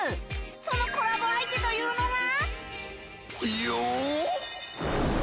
そのコラボ相手というのが。